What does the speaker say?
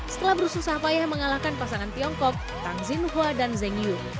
setelah berusaha payah mengalahkan pasangan tiongkok tangzin hua dan zheng yu